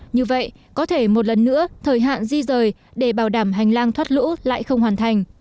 như vậy có thể một lần nữa thời hạn di rời để bảo đảm hành lang thoát lũ lại không hoàn thành